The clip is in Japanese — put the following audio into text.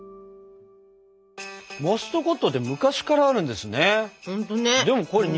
モストコットって昔からあるんですね。